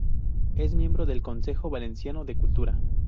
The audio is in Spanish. Es miembro del Consejo Valenciano de Cultura.